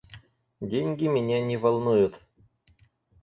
Деньги меня не волнуют.